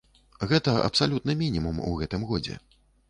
Гэта абсалютны мінімум у гэтым годзе.